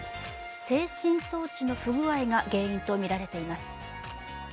制振装置の不具合が原因とみられています。